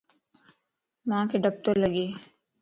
مانک ڊپَ تو لڳَ